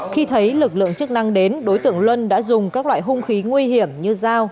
khi thấy lực lượng chức năng đến đối tượng luân đã dùng các loại hung khí nguy hiểm như dao